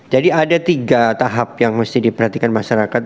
jadi ada tiga tahap yang mesti diperhatikan masyarakat